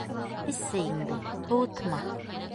Эс сәйеңде, һыуытма...